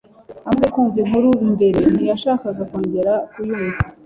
Amaze kumva inkuru mbere, ntiyashakaga kongera kuyumva.